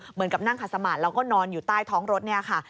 เหมือนกับนั่งขัดสมาธิแล้วก็นอนอยู่ใต้ท้องรถเนี่ยค่ะ